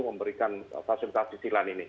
memberikan fasilitas sisilan ini